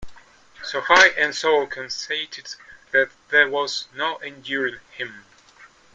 So high and so conceited that there was no enduring him!